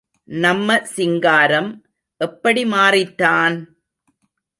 நம்ம சிங்காரம் எப்படி மாறிட்டான்?